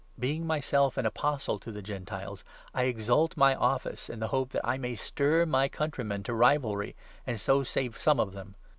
Being 13 myself an Apostle to the Gentiles, I exalt my office, in the hope 14 that I may stir my countrymen to rivalry, and so save some of them.